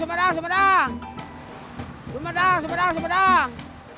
sumedang sumedang sumedang